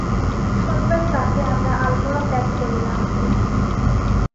শনিবার প্রাতে আমরা আলমোড়া ত্যাগ করিলাম।